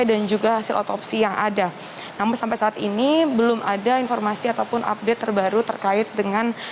dan juga hasil otopsi yang ada namun sampai saat ini belum ada informasi ataupun update terbaru terkait dengan